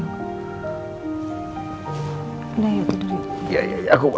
udah ya tidurin